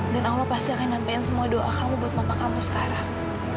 dan allah pasti akan nyampaikan semua doa kamu buat mama kamu sekarang